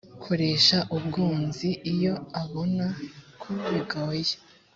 koresha ubwunzi iyo abona ko bigoye